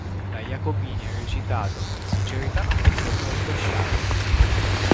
La Jacobini ha recitato con sincerità e con molto charme.